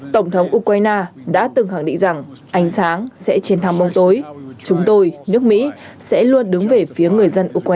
tổng thống ukraine đã từng khẳng định rằng ánh sáng sẽ chiến thắng bóng tối chúng tôi nước mỹ sẽ luôn đứng về phía người dân ukraine